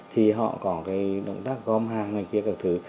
thì họ có cái động tác gom hàng ngoài kia các thứ